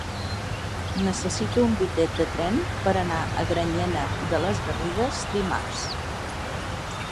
Necessito un bitllet de tren per anar a Granyena de les Garrigues dimarts.